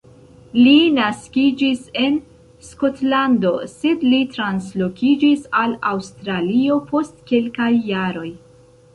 Li naskiĝis en Skotlando sed li translokiĝis al Aŭstralio post kelkaj jaroj.